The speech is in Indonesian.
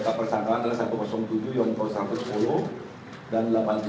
mendatang persatuan adalah